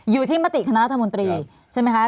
มติคณะรัฐมนตรีใช่ไหมคะ